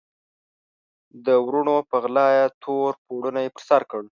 د وروڼو په غلا یې تور پوړنی پر سر کړ.